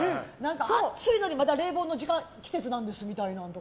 暑いのにまた冷房の時間季節なんですみたいな。